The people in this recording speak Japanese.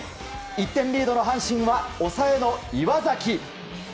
１点リードの阪神は抑えの岩崎。